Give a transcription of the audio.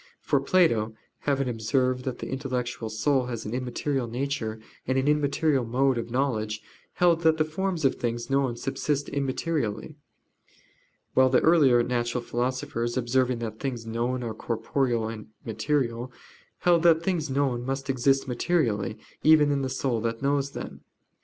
For Plato, having observed that the intellectual soul has an immaterial nature, and an immaterial mode of knowledge, held that the forms of things known subsist immaterially. While the earlier natural philosophers, observing that things known are corporeal and material, held that things known must exist materially even in the soul that knows them.